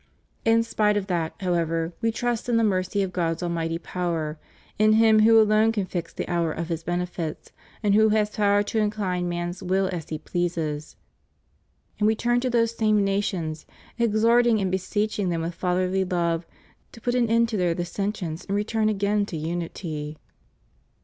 In spite of that, however. We trust in the mercy of God's almighty power, in Him who alone can fix the hour of His benefits and who has power to incline man's will as He pleases; and We turn to those same nations, exhorting and be seeching them with fatherly love to put an end to their dissensions and return again to unity.